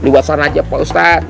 lewat sana aja pak ustadz